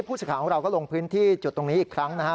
สิทธิ์ของเราก็ลงพื้นที่จุดตรงนี้อีกครั้งนะฮะ